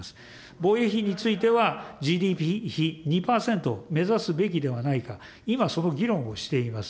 防衛費については、ＧＤＰ比２％目指すべきではないか、今、その議論をしています。